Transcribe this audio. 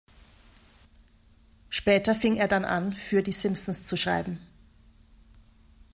Später fing er dann an, für "Die Simpsons" zu schreiben.